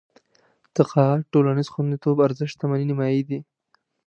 تقاعد ټولنيز خونديتوب ارزښت شتمنۍ نيمايي دي.